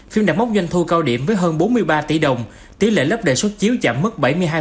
phim đã mốc doanh thu cao điểm với hơn bốn mươi ba tỷ đồng tỷ lệ lớp đề xuất chiếu chạm mất bảy mươi hai